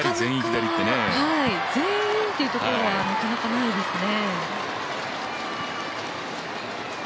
全員っていうところはなかなか、ないですね。